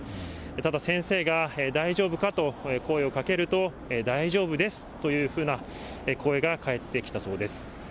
ただ先生が、大丈夫か？と声をかけると、大丈夫ですというふうな声が返ってきたそうです。